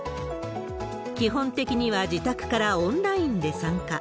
基本的には自宅からオンラインで参加。